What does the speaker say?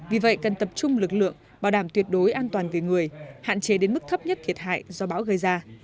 vì vậy cần tập trung lực lượng bảo đảm tuyệt đối an toàn về người hạn chế đến mức thấp nhất thiệt hại do bão gây ra